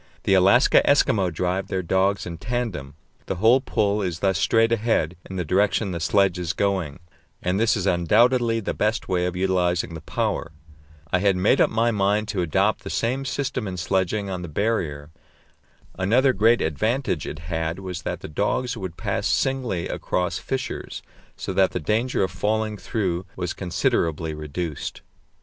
The Alaska Eskimo drive their dogs in tandem; the whole pull is thus straight ahead in the direction the sledge is going, and this is undoubtedly the best way of utilizing the power. I had made up my mind to adopt the same system in sledging on the Barrier. Another great advantage it had was that the dogs would pass singly across fissures, so that the danger of falling through was considerably reduced.